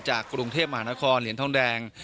กรุงเทพมหานครเหรียญทองแดง